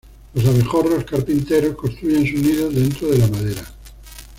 Los abejorros carpinteros construyen sus nidos dentro de la madera.